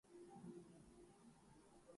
مدّت ہوئی ہے سیر چراغاں کئے ہوئے